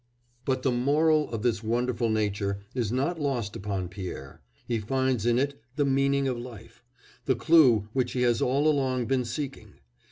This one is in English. But the moral of this wonderful nature is not lost upon Pierre; he finds in it "the meaning of life," the clue which he has all along been seeking.